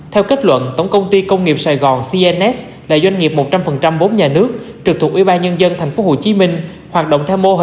theo kết luận tổng công ty công nghiệp sài gòn cns là doanh nghiệp một trăm linh vốn nhà nước trực thuộc ủy ban nhân dân tp hcm